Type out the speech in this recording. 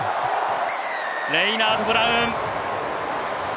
レイナートブラウン！